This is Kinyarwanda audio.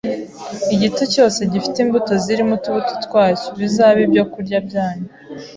igiti cyose gifite imbuto zirimo utubuto twacyo, bizabe ibyokurya byanyu